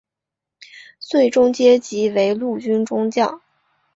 最终阶级为陆军中将。